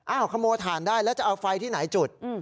ขโมยถ่านได้แล้วจะเอาไฟที่ไหนจุด